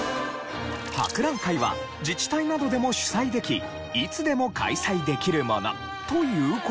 博覧会は自治体などでも主催できいつでも開催できるものという事で。